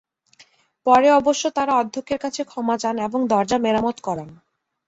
পরে অবশ্য তাঁরা অধ্যক্ষের কাছে ক্ষমা চান এবং দরজা মেরামত করান।